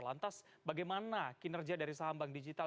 lantas bagaimana kinerja dari saham bank digital